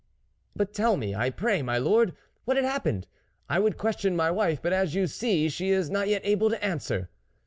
" But tell me, I pray, my lord, what had happened ? I would question my wife, but as you see she is not yet able to answer."